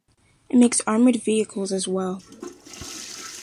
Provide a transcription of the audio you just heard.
It makes armoured vehicles as well.